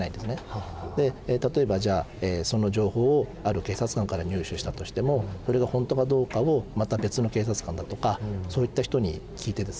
例えばその情報をある警察官から入手したとしてもそれが本当かどうかをまた別の警察官だとかそういった人に聞いてですね